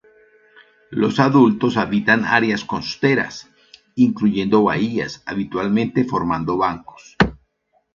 Los adultos habitan áreas costeras, incluyendo bahías, habitualmente formando bancos.